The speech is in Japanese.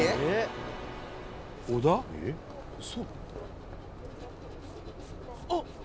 「えっ？